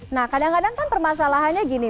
nah kadang kadang kan permasalahannya gini